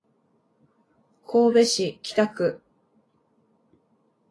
神戸市北区